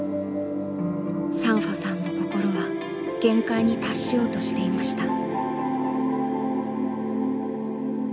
サンファさんの心は限界に達しようとしていました。